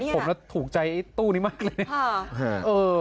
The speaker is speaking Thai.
โอ้ยนี่ผมน่ะถูกใจไอ้ตู้นี้มากเลยเนี่ย